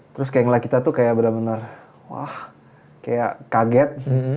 terus kayak ngela kita tuh kayak bener bener wah kayak kaget